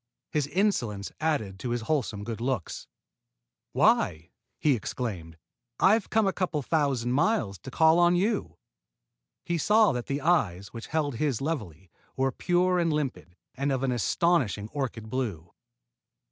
His insolence added to his wholesome good looks. "Why?" he exclaimed. "I've come a couple of thousand miles to call on you." He saw that the eyes which held his levelly were pure and limpid, and of an astonishing orchid blue.